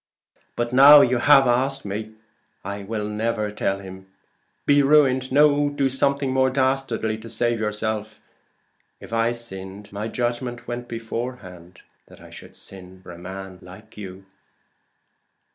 "But now you have asked me, I will never tell him! Be ruined no do something more dastardly to save yourself. If I sinned, my judgment went beforehand that I should sin for a man like you."